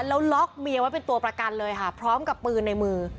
แล้วล็อกเมียไว้เป็นตัวประกันเลยค่ะพร้อมกับปืนในมือ